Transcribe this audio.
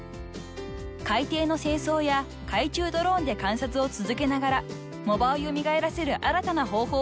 ［海底の清掃や海中ドローンで観察を続けながら藻場を蘇らせる新たな方法を探しています］